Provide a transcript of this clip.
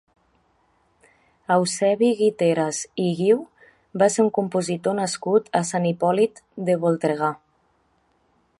Eusebi Guiteras i Guiu va ser un compositor nascut a Sant Hipòlit de Voltregà.